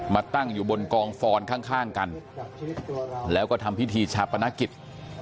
ตั้งอยู่บนกองฟอนข้างกันแล้วก็ทำพิธีชาปนกิจ